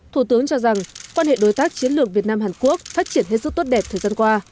thủ tướng cho rằng quan hệ đối tác chiến lược việt nam hàn quốc phát triển hết sức tốt đẹp thời gian qua